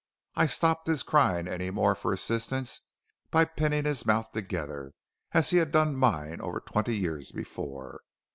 I stopped his crying any more for assistance by pinning his mouth together, as he had done mine over twenty years before.